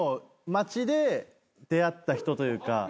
街で出会った人というか。